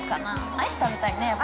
アイス食べたいね、やっぱ。